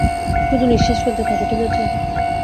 শুধু নিঃশ্বাস ফেলতে থাকো, ঠিক আছে?